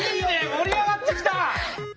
盛り上がってきた！